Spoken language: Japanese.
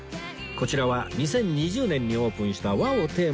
こちらは２０２０年にオープンした和をテーマにしたカフェ